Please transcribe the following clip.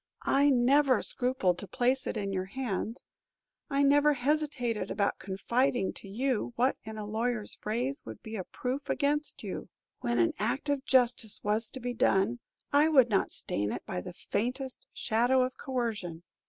I never scrupled to place it in your hands; I never hesitated about confiding to you what in a lawyer's phrase would be a proof against you. When an act of justice was to be done, I would not stain it by the faintest shadow of coercion.